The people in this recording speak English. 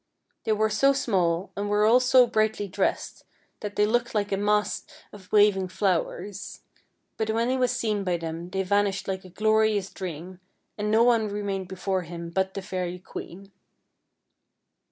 They were so small, and were all so brightly dressed, that they looked like a mass of 34 FAIRY TALES waving flowers; but when he was seen by them they vanished like a glorious dream, and no one remained before him but the fairy queen.